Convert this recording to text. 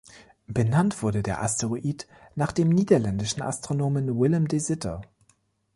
Benannt wurde der Asteroid nach dem niederländischen Astronomen Willem de Sitter.